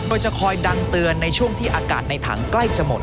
โดยจะคอยดังเตือนในช่วงที่อากาศในถังใกล้จะหมด